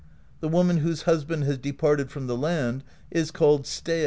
The woman whose hus band has departed from the land is called Stay at Home.